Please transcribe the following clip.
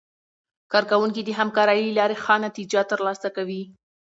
کارکوونکي د همکارۍ له لارې ښه نتیجه ترلاسه کوي